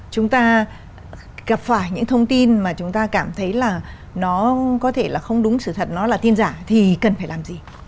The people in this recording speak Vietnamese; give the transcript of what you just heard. chúng ta gặp phải những thông tin mà chúng ta cảm thấy là nó có thể là không đúng sự thật nó là tin giả thì cần phải làm gì